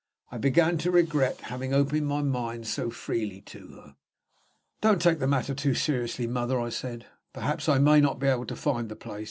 I began to regret having opened my mind so freely to her. "Don't take the matter too seriously, mother," I said. "Perhaps I may not be able to find the place.